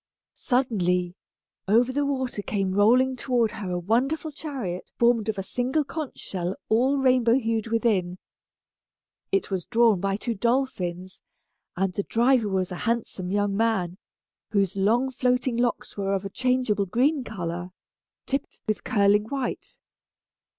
Suddenly, over the water came rolling toward her a wonderful chariot formed of a single conch shell all rainbow hued within. It was drawn by two dolphins, and the driver was a handsome young man, whose long floating locks were of a changeable green color, tipped with curling white.